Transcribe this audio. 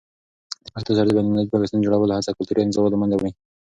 د پښتو سره د بینالمللي پیوستون جوړولو هڅه کلتوري انزوا له منځه وړي.